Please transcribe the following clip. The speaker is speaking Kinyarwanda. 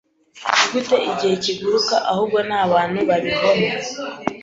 Nigute ... igihe ... kiguruka ..ahubwo ni abantu babibona